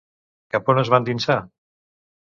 Cap on es va endinsar?